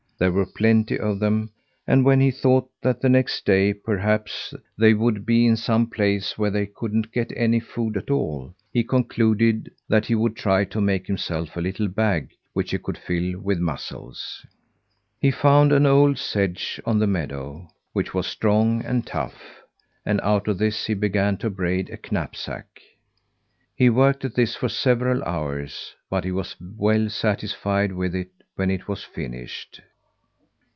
There were plenty of them; and when he thought that the next day, perhaps, they would be in some place where they couldn't get any food at all, he concluded that he would try to make himself a little bag, which he could fill with mussels. He found an old sedge on the meadow, which was strong and tough; and out of this he began to braid a knapsack. He worked at this for several hours, but he was well satisfied with it when it was finished.